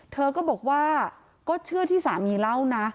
เธอก็บอกว่าก็เชื่อที่สามีเล่านะ